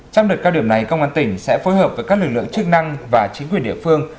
trong đợt cao điểm này công an tỉnh sẽ phối hợp với các lực lượng chức năng và chính quyền địa phương